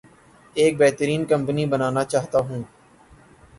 ایک بہترین کمپنی بنانا چاہتا ہوں